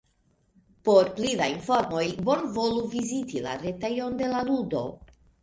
Por pli da informoj bonvolu viziti la retejon de la ludo.